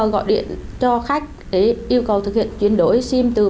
gọi điện cho khách để yêu cầu thực hiện chuyển đổi sim từ ba g lên bốn g